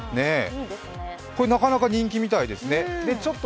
これ、なかなか人気みたいですね。